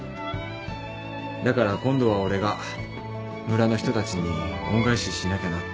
だから今度は俺が村の人たちに恩返ししなきゃなって。